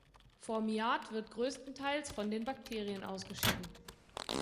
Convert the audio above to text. Formiat wird größtenteils von den Bakterien ausgeschieden.